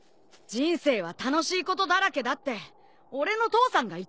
人生は楽しいことだらけだって俺の父さんが言ってた。